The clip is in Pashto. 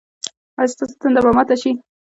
ایا ستاسو تنده به ماته شي؟